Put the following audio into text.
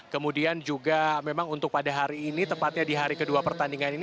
kemudian juga memang untuk pada hari ini tepatnya di hari kedua pertandingan ini